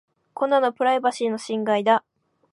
こんなのプライバシーの侵害だ。